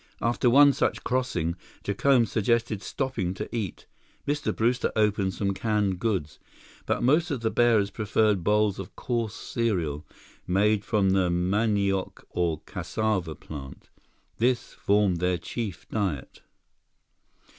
After one such crossing, Jacome suggested stopping to eat. Mr. Brewster opened some canned goods, but most of the bearers preferred bowls of coarse cereal, made from the manioc or cassava plant. This formed their chief diet.